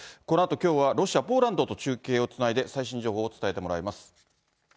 このあと、きょうはロシア、ポーランドと中継をつないで、最新情報を伝えてもらいます。